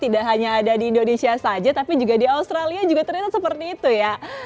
tidak hanya ada di indonesia saja tapi juga di australia juga ternyata seperti itu ya